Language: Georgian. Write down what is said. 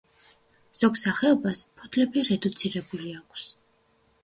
ზოგ სახეობას ფოთლები რედუცირებული აქვს.